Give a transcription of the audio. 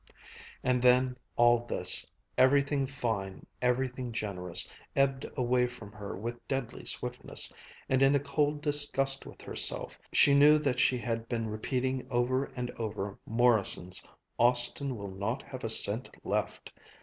And then all this, everything fine, everything generous, ebbed away from her with deadly swiftness, and in a cold disgust with herself she knew that she had been repeating over and over Morrison's "Austin will not have a cent left